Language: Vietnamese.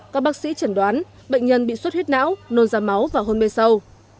các bác sĩ chẩn đoán bệnh nhân bị suất huyết não nôn ra máu và hôn mê sâu